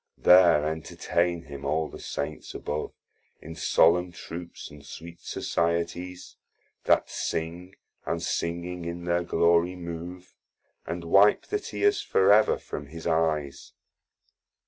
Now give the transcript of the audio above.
There entertain him all the Saints above, In solemn troops, and sweet Societies That sing, and singing in their glory move, And wipe the tears for ever from his eyes.